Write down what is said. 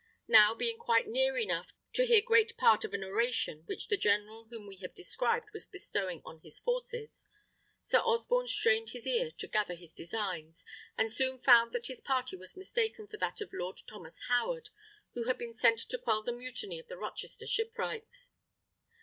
Now, being quite near enough to hear great part of an oration which the general whom we have described was bestowing on his forces, Sir Osborne strained his ear to gather his designs, and soon found that his party was mistaken for that of Lord Thomas Howard, who had been sent to quell the mutiny of the Rochester shipwrights.